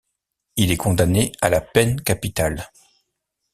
Il est condamné à la peine capitale.